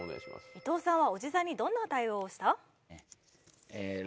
伊藤さんはおじさんにどんな対応をした？